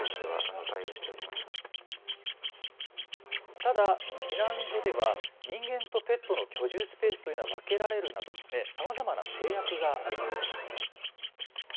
ただ避難所では人間とペットの居住スペースというのは分けられるなどさまざまな制約があります。